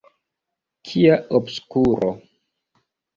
Kia obskuro!